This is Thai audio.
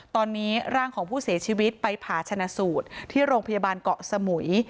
ตอนนี้ร่างของผู้เสียชีวิตไปผ่าชนะสูตรที่โรงพยาบาลเกาะสมุย